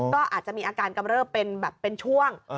ก็อาจจะมีอาการกำเริบเป็นแบบเป็นช่วง